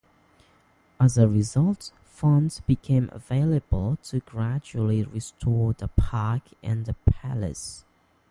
As a result, funds became available to gradually restore the park and the palace.